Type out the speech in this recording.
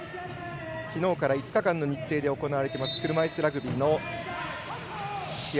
きのうから５日間の日程で行われています車いすラグビーの試合。